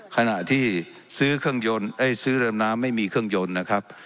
ขณะที่ซื้อเครื่องยนต์ซื้อเรือดำน้ำไม่มีเครื่องยนต์นะครับ